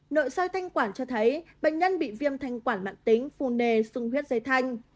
nội xoay thanh quản cho thấy bệnh nhân bị viêm thanh quản mạng tính phu nề xung huyết dây thanh